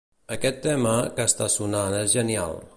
Aquest tema que està sonant és genial.